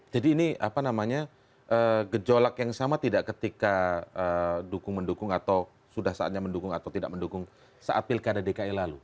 jadi ini apa namanya gejolak yang sama tidak ketika dukung mendukung atau sudah saatnya mendukung atau tidak mendukung saat pilkada dki lalu